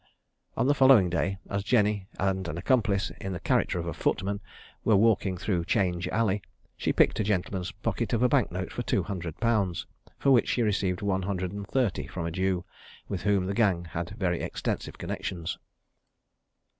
On the following day, as Jenny, and an accomplice, in the character of a footman, were walking through Change Alley, she picked a gentleman's pocket of a bank note for two hundred pounds, for which she received one hundred and thirty from a Jew, with whom the gang had very extensive connexions.